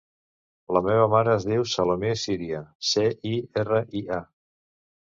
La meva mare es diu Salomé Ciria: ce, i, erra, i, a.